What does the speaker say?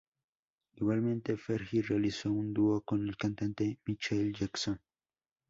Igualmente, Fergie realizó un dúo con el cantante Michael Jackson.